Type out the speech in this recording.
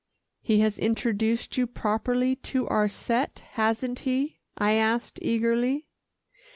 '" "He has introduced you properly to our set, hasn't he?" I asked eagerly.